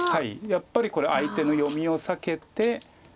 やっぱりこれ相手の読みを避けて。